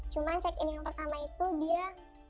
cuma check in yang pertama itu dia